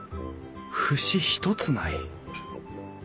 節一つない。